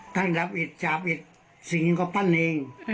ทั้งดับอิฐจาบอิฐสิงห์ก็ปั้นเอง